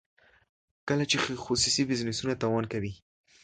کله چې خصوصي بزنسونه تاوان کوي.